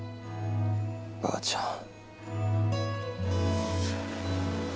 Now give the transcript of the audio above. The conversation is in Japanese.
あばあちゃん。